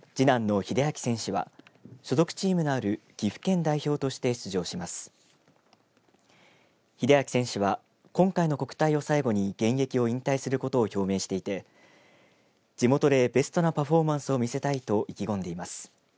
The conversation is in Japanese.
秀昭選手は今回の国体を最後に現役を引退することを表明していて地元でベストなパフォーマンスを見せたいと意気込んでいます。